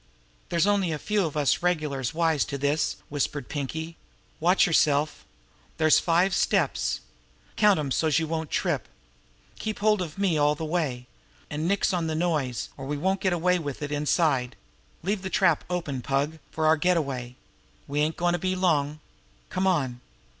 "There's only a few of us regulars wise to this," whispered Pinkie. "Watch yourself! There's five steps. Count 'em, so's you won't trip. Keep hold of me all the way. An' nix on the noise, or we won't get away with it inside. Leave the trap open, Pug, for our getaway. We ain't goin' to be long. Come on!"